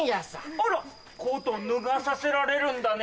あらコート脱がさせられるんだね？